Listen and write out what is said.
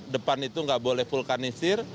depan itu nggak boleh vulkanisir